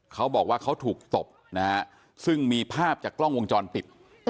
เขาบอกว่าเขาถูกตบนะฮะซึ่งมีภาพจากกล้องวงจรปิด